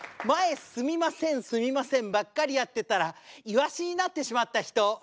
「前すみませんすみませんばっかりやってたらイワシになってしまった人」。